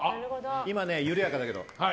今は緩やかだけど。